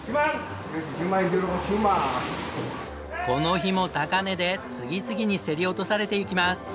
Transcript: この日も高値で次々に競り落とされていきます。